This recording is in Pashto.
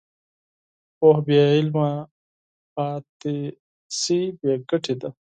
پوهه بېعمله پاتې شي، بېګټې ده.